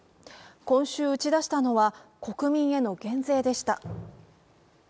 今週打ち出したのは、国民への減税でした。